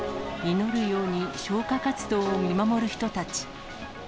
祈るように消火活動を見守る人たち。